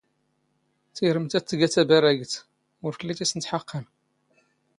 ⵜⵉⵔⵎⵜ ⴰⴷ ⵜⴳⴰ ⵜⴰⴱⴰⵔⴰⴳⵜ ⵓⵔ ⵜⵍⵉ ⵜⵉⵙⵏⵜ ⵃⴰⵇⵇⴰⵏ!